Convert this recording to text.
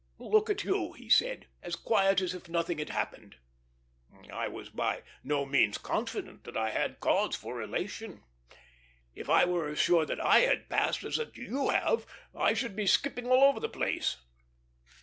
"Look at you," he said, "as quiet as if nothing had happened" I was by no means confident that I had cause for elation. "If I were as sure that I had passed as that you have, I should be skipping all over the place."